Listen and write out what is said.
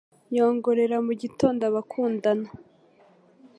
yongorera mu gitondo Abakundana